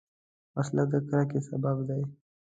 وسله د کرکې سبب ده